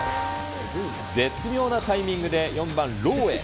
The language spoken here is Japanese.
絶妙なタイミングで４番ローへ。